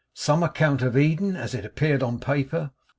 SOME ACCOUNT OF EDEN, AS IT APPEARED ON PAPER.